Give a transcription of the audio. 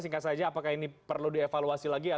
singkat saja apakah ini perlu dievaluasi lagi